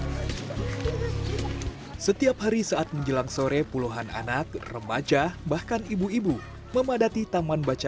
hai setiap hari saat menjelang sore puluhan anak remaja bahkan ibu ibu memadati taman baca